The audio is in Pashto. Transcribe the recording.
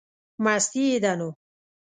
مستي یې ده نو.